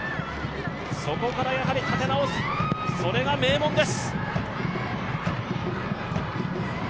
そこからやはり立て直す、それが名門です。